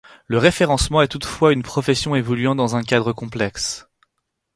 Le référencement est toutefois une profession évoluant dans un cadre complexe.